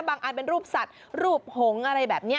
อันเป็นรูปสัตว์รูปหงษ์อะไรแบบนี้